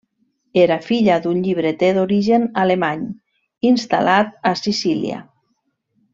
Era filla d'un llibreter d'origen alemany, instal·lat a Sicília.